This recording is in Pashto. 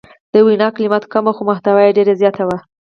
د وینا کلمات کم وو خو محتوا یې ډیره زیاته وه.